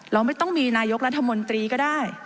เราไม่ต้องมีนายกรัฐมนตรีก็ได้